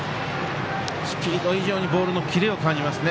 スピード以上にボールのキレを感じますね。